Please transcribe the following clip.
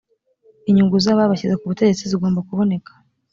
inyungu z’ ababashyize ku butegetsi zigomba kuboneka